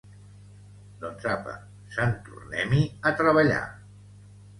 Doncs apa, sant tornem-hi a treballar!